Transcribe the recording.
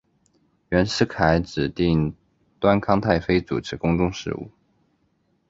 袁世凯指定端康太妃主持宫中事务。